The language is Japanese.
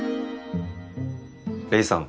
レイさん。